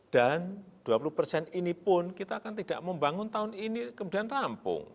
dan dua puluh persen ini pun kita akan tidak membangun tahun ini kemudian rampung